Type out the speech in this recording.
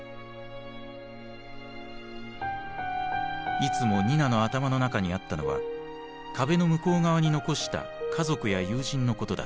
いつもニナの頭の中にあったのは壁の向こう側に残した家族や友人のことだった。